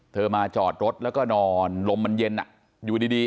มาจอดรถแล้วก็นอนลมมันเย็นอยู่ดี